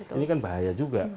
ini kan bahaya juga